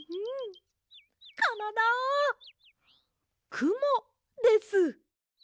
くもです。